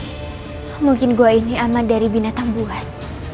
hmm mungkin gua ini aman dari binatang buas